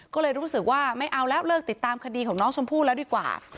ก็เลยรู้สึกว่าไม่เอาแล้วเลิกติดตามคดีของน้องชมพู่แล้วดีกว่า